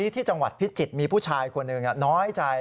ที่จังหวัดพิจิตรมีผู้ชายคนหนึ่งน้อยใจ